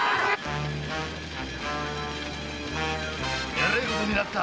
えらいことになった。